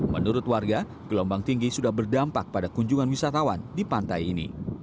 menurut warga gelombang tinggi sudah berdampak pada kunjungan wisatawan di pantai ini